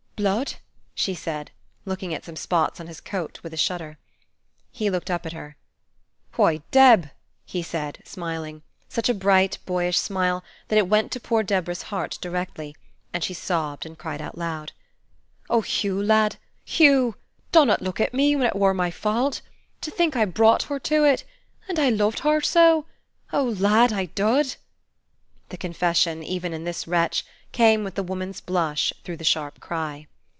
"Blood?" she said, looking at some spots on his coat with a shudder. He looked up at her, "Why, Deb!" he said, smiling, such a bright, boyish smile, that it Went to poor Deborah's heart directly, and she sobbed and cried out loud. "Oh, Hugh, lad! Hugh! dunnot look at me, when it wur my fault! To think I brought hur to it! And I loved hur so! Oh lad, I dud!" The confession, even In this wretch, came with the woman's blush through the sharp cry.